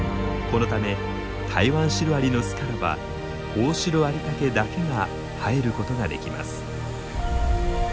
このためタイワンシロアリの巣からはオオシロアリタケだけが生えることができます。